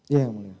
iya yang mulia